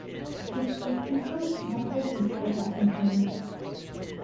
With this insult my patience was at an end.